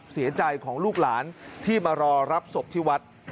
เสียใจของลูกหลานที่มารอรับศพที่วัด